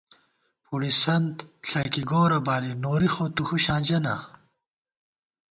پُڑِسنت ݪَکی گورہ بالی نوری خو تُو ہُشاں ژَہ نا